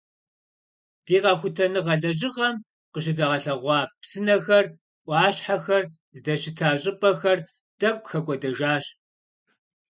Ди къэхутэныгъэ лэжьыгъэм къыщыдгъэлъэгъуа псынэхэр, ӏуащхьэхэр здэщыта щӏыпӏэхэр тӏэкӏу хэкӏуэдэжащ.